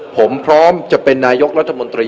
ผมพร้อมจะเป็นนายกรัฐมนตรี